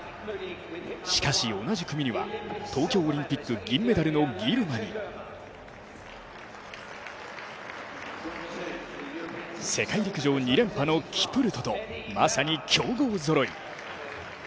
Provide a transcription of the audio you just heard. しかし、同じ組には東京オリンピック銀メダルのギルマに世界陸上２連覇のキプルトとまさに強豪ぞろい。